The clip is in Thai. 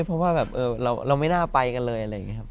เพราะว่าแบบเราไม่น่าไปกันเลยอะไรอย่างนี้ครับ